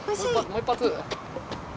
もう一発！